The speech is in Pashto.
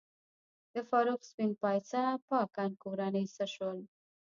د فاروق سپین پایڅه پاکه کورنۍ څه شول؟